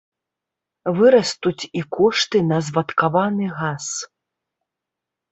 Вырастуць і кошты на звадкаваны газ.